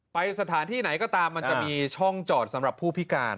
ไปสถานที่ไหนก็ตามมันจะมีช่องจอดสำหรับผู้พิการ